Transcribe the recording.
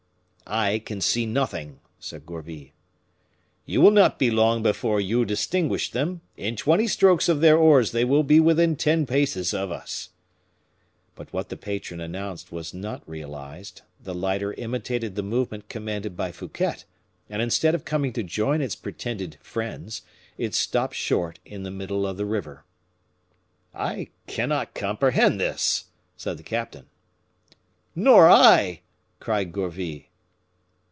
"I can see nothing," said Gourville. "You will not be long before you distinguish them; in twenty strokes of their oars they will be within ten paces of us." But what the patron announced was not realized; the lighter imitated the movement commanded by Fouquet, and instead of coming to join its pretended friends, it stopped short in the middle of the river. "I cannot comprehend this," said the captain. "Nor I," cried Gourville.